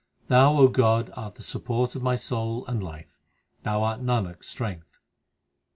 Thou, O God, art the Support of my soul and life ; Thou art Nanak s strength.